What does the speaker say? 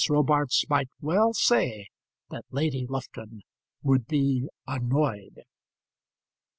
Robarts might well say that Lady Lufton would be annoyed.